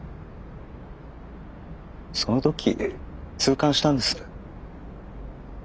その時痛感したんです。